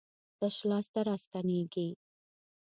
تش لاس نه راستنېږي.